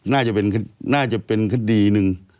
น่าจะเป็นคดีหนึ่ง